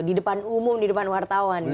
di depan umum di depan wartawan